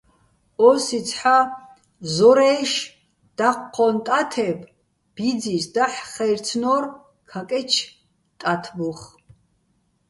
ო́სი ცჰ̦ა ზორაჲში̆ დაჴჴო́ჼ ტათებ ბიძის დაჰ̦ ხაჲრცნო́რ ქაკე́ჩ ტათბუხ.